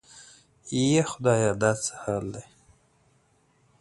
یا خدایه دا څه حال دی؟